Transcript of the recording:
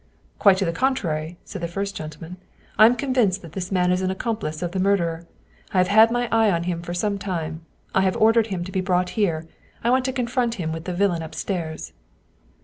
" Quite the contrary !" said the first gentleman. " I am convinced that this man is an accomplice of the murderer. I have had my eye on him for some time. I have ordered him to be brought here. I want to confront him with the villain upstairs."